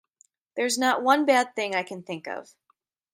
There's not one bad thing I can think of.